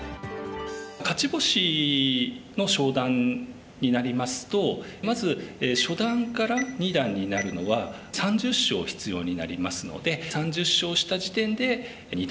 勝ち星の昇段になりますとまず初段から二段になるのは３０勝必要になりますので３０勝した時点で二段になります。